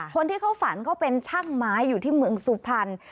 คนที่เขาฝันเขาเป็นช่างไม้อยู่ที่เมืองสุพรรณ